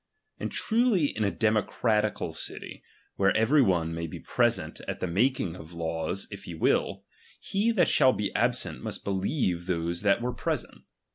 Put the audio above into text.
And truly in a democratical city, where every one may be present at the making of laws if he will, he that shall be absent, must believe those that were present.